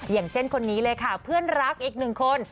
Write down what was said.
อย่างเช่นคนนี้เลยค่ะเพื่อนรักอีกหนึ่งคน